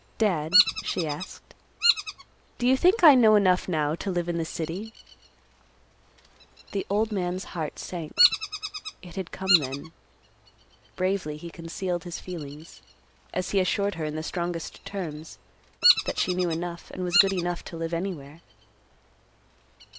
"Dad," she asked, "Do you think I know enough now to live in the city?" The old man's heart sank. It had come then. Bravely he concealed his feelings, as he assured her in the strongest terms, that she knew enough, and was good enough to live anywhere.